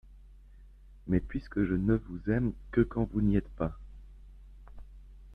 Mais puisque je ne vous aime que quand vous n’y êtes pas !